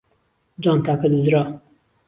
جانتاکە دزرا.